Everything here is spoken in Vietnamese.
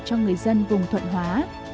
cho người dân vùng thuận hóa